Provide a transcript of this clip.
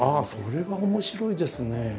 それは面白いですね。